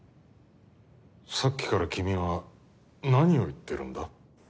さっきから君は何を言ってるんだ？